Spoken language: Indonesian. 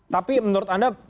tapi menurut anda